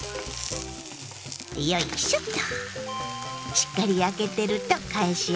よいしょっと。